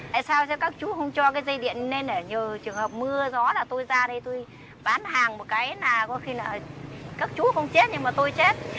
hay sao các chú không cho cái dây điện lên nhiều trường hợp mưa gió là tôi ra đây tôi bán hàng một cái là có khi là các chú không chết nhưng mà tôi chết